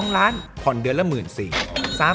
๒ล้านผ่อนเดือนละ๑๔๐๐บาท